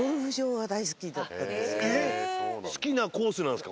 えっ好きなコースなんですか。